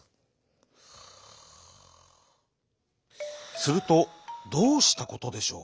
するとどうしたことでしょう。